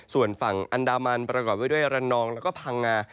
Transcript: ส่วนฝั่งอันดามันประกอบไว้ด้วยระนองแล้วก็พังงา